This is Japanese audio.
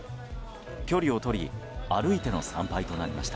距離を取り歩いての参拝となりました。